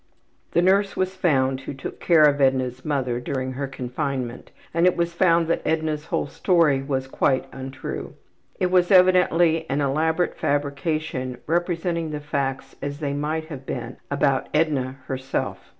The nurse was found who took care of Edna's ``mother'' during her confinement and it was found that Edna's whole story was quite untrue. It was evidently an elaborate fabrication representing the facts as they might have been about Edna herself.